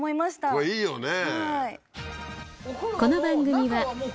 これいいよね